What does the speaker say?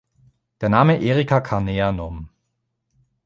Der Name "Erica carnea" nom.